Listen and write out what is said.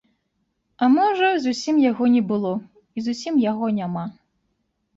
А можа, зусім яго не было, і зусім яго няма.